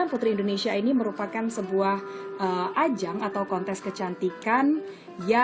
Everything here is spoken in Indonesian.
putri indonesia ini merupakan sebuah ajang atau konteks yang sangat penting untuk kita